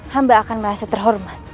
hamba akan merasa terhormat